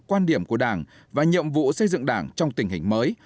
quan điểm của đảng và nhiệm vụ xây dựng đảng trong tình hình mới